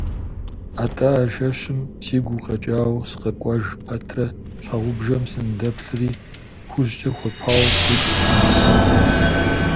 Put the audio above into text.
Атӏэ, а жэщым сигу укъэкӏауэ сыкъэкӏуэж пэтрэ, щхьэгъубжэм сыныдэплъри, хужькӏэ хуэпауэ лӏиплӏ унэкум итт.